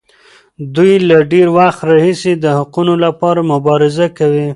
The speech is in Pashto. دوی له ډېر وخت راهیسې د حقونو لپاره مبارزه کوي.